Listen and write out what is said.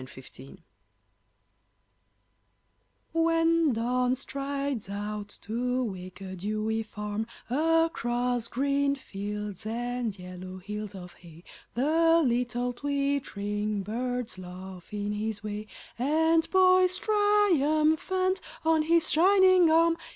Alarm Clocks When Dawn strides out to wake a dewy farm Across green fields and yellow hills of hay The little twittering birds laugh in his way And poise triumphant on his shining arm.